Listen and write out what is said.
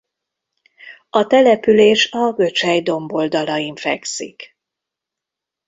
A település a Göcsej domboldalain fekszik.